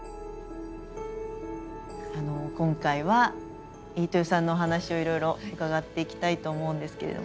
今回は飯豊さんのお話をいろいろ伺っていきたいと思うんですけれども。